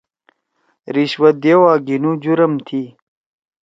رشوت دیؤ آں گھیِنُو جُرم تھی۔